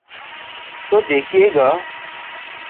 تو دیکھیے گا۔